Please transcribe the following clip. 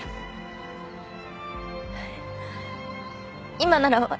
今なら私。